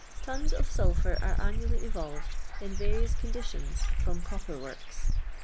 Ton 4 of sulphor are annually evolved in variius condi lions from copper w irks.